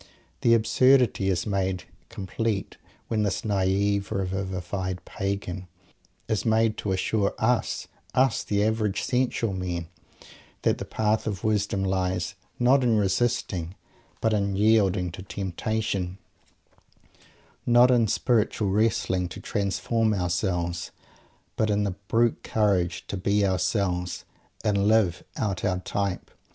The absurdity is made complete when this naive, revivified "Pagan" is made to assure us us, "the average sensual men" that the path of wisdom lies, not in resisting, but in yielding to temptation; not in spiritual wrestling to "transform" ourselves, but in the brute courage "to be ourselves," and "live out our type"!